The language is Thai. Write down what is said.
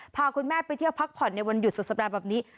พาคุณแม่ไปเที่ยวพักผ่อนในวันหยุดสุดสัปดาห์แบบนี้